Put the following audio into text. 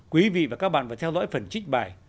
quý vị và các bạn phải theo dõi phần trích bài